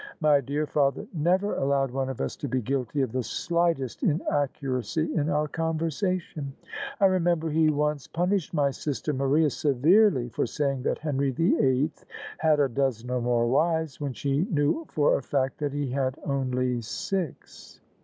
My dear father never allowed one of us to be guilty of the slightest inaccuracy in our conversation. I remember he once pun [ loi ] THE SUBJECTION ished my sister Maria severely for saying that Henry the Eighth had a dozen or more wives, when she knew for a fact that he had only six."